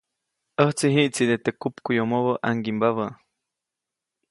ʼÄjtsi jiʼtside teʼ kupkuʼyomobä ʼaŋgimbabä.